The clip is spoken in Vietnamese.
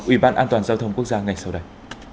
ủy ban an toàn giao thông quốc gia ngay sau đây